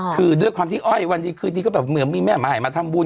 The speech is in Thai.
คือด้วยความที่อ้อยวันดีคืนนี้ก็แบบเหมือนมีแม่ใหม่มาทำบุญ